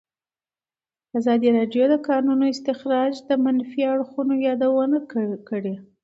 ازادي راډیو د د کانونو استخراج د منفي اړخونو یادونه کړې.